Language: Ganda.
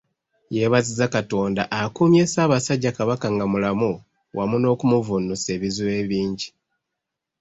Yeebazizza Katonda akuumye Ssaabasajja Kabaka nga mulamu wamu n'okumuvvunusa ebizibu ebingi.